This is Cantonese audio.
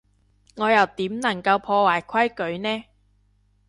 我又點能夠破壞規矩呢？